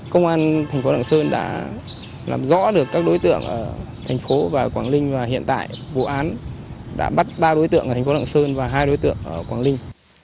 công an tp đảng sơn đã làm rõ được các đối tượng ở tp và quảng ninh và hiện tại vụ án đã bắt ba đối tượng ở tp đảng sơn và hai đối tượng ở quảng ninh